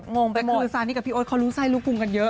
งงแต่คือซานี่กับพี่โอ๊ตเขารู้ไส้รู้กุมกันเยอะ